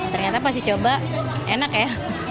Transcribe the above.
ternyata pas dicoba enak ya